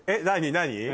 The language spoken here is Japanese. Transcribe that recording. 何？